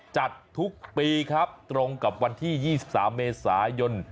จัดทุกปีครับตรงกับวันที่๒๓เมษายน